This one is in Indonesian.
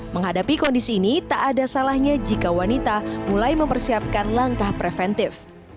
menghadapi kondisi ini tak ada salahnya jika wanita mulai mempersiapkan langkah preventif